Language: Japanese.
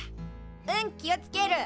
うん気を付ける。